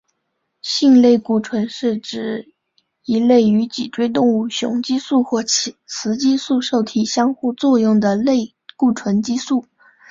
性类固醇是指一类与脊椎动物雄激素或雌激素受体相互作用的类固醇激素。